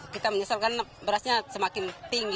kita menyesalkan berasnya semakin tinggi